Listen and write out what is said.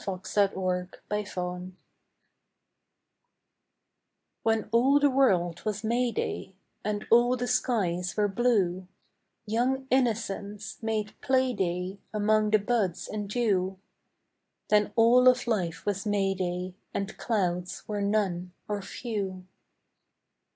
LIFE'S SEASONS I When all the world was May day, And all the skies were blue, Young innocence made play day Among the buds and dew; Then all of life was May day And clouds were none or few.